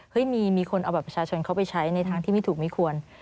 มีคนเอาบัตรประชาชนเขาไปใช้ในทางที่ไม่ถูกไม่ควร